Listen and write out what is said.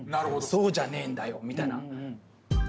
そうじゃねえんだよみたいな。